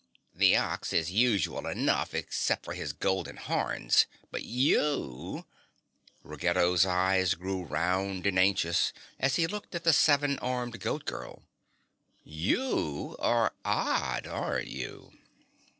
The Ox is usual enough, except for his golden horns, but you" Ruggedo's eyes grew round and anxious as he looked at the seven armed Goat Girl, "YOU are odd, aren't you?"